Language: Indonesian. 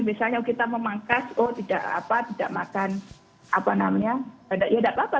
misalnya kita memangkas oh tidak makan apa namanya ya tidak apa apa